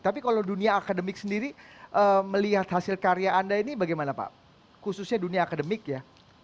tapi kalau dunia akademik sendiri melihat hasil karya anda ini bagaimana pak khususnya dunia akademik ya